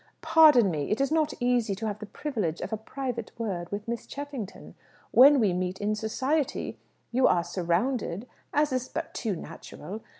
"Pardon me. It is not easy to have the privilege of a private word with Miss Cheffington. When we meet in society, you are surrounded, as is but too natural.